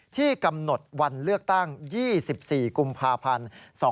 ที่กำหนดวันเลือกตั้ง๒๔กุมภาพันธ์๒๕๖๒